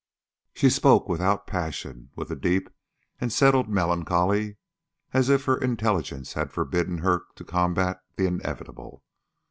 She spoke without passion, with a deep and settled melancholy, as if her intelligence had forbidden her to combat the inevitable.